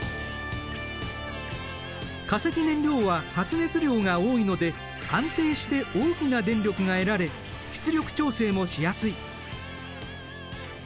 化石燃料は発熱量が多いので安定して大きな電力が得られ出力調整もしやすい。